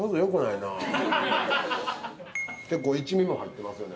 一味も入ってますよね。